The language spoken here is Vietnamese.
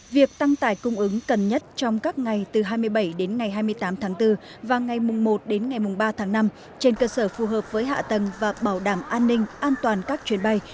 việc tăng tải cung ứng cần nhất trong các ngày từ hai mươi bảy đến ngày hai mươi tám tháng bốn và ngày mùng một đến ngày mùng ba tháng năm trên cơ sở phù hợp với hạ tầng và bảo đảm an ninh an toàn các chuyến bay